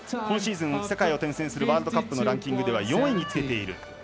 今シーズン、世界を転戦するワールドカップのランキングでは４位につけている。